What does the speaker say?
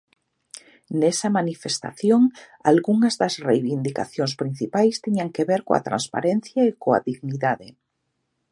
Nesa manifestación algunhas das reivindicacións principais tiñan que ver coa transparencia e coa dignidade.